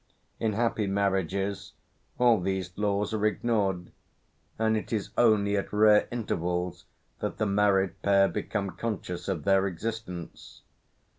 In happy marriages all these laws are ignored, and it is only at rare intervals that the married pair become conscious of their existence.